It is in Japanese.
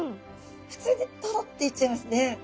ふつうにトロッていっちゃいますね。